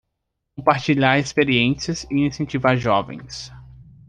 Compartilhar experiências e incentivar jovens